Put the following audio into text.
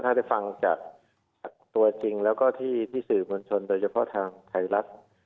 ถ้าได้ฟังจะจัดตัวจริงและก็ที่สื่อของชนโดยเฉพาะทางการขายรัฐ